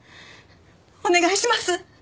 お願いします！